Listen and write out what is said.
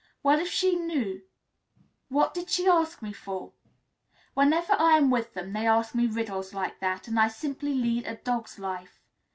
Well, if she knew, what did she ask me for? Whenever I am with them they ask me riddles like that, and I simply lead a dog's life.